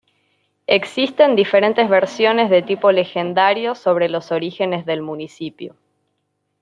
Existen diferentes versiones de tipo "legendario" sobre los orígenes del municipio.